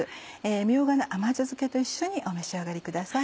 みょうがの甘酢漬けと一緒にお召し上がりください。